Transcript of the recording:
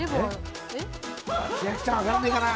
千秋ちゃん、分からないかな。